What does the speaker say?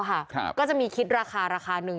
และมีคิดราคา